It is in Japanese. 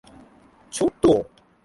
ちょっと？